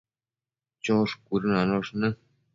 Chosh cuëdënanosh në